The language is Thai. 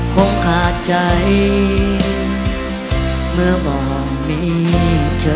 คงขาดใจเมื่อบอกมีเธอ